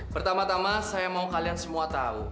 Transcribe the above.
pertama tama saya mau kalian semua tahu